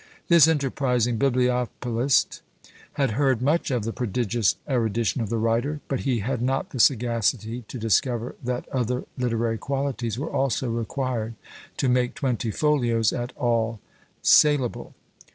This enterprising bibliopolist had heard much of the prodigious erudition of the writer; but he had not the sagacity to discover that other literary qualities were also required to make twenty folios at all saleable.